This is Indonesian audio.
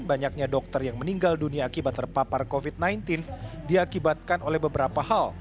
banyaknya dokter yang meninggal dunia akibat terpapar covid sembilan belas diakibatkan oleh beberapa hal